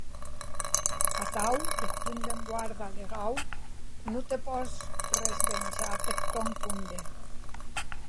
Atau, deth punt d’enguarda legau, non te pòs resvenjar peth tòn compde.